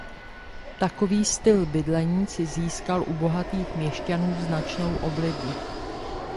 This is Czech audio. Takový styl bydlení si získal u bohatých měšťanů značnou oblibu.